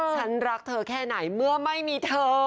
ฉันรักเธอแค่ไหนเมื่อไม่มีเธอ